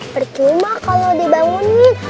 bercuma kalau dibangunin